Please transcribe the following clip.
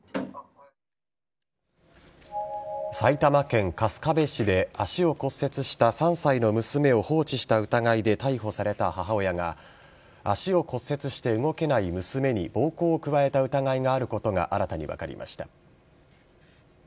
埼玉県春日部市で足を骨折した３歳の娘を放置した疑いで逮捕された母親が足を骨折して動けない娘に暴行を加えた疑いがあることが新たに分かりました。